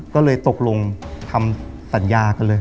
ก็เลยตกลงทำสัญญากันเลย